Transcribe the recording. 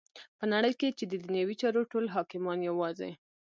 په نړی کی چی ددنیوی چارو ټول حاکمان یواځی